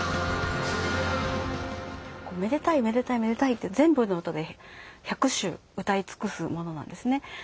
「めでたいめでたいめでたい」って全部の歌で百首歌い尽くすものなんですね。